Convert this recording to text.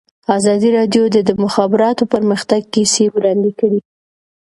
ازادي راډیو د د مخابراتو پرمختګ کیسې وړاندې کړي.